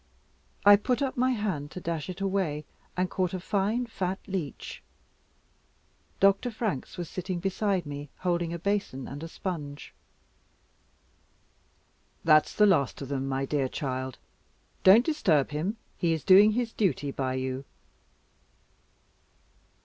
I put up my hand to dash it away, and caught a fine fat leech. Dr. Franks was sitting by me, holding a basin and a sponge. "That's the last of them, my dear child. Don't disturb him. He is doing his duty by you."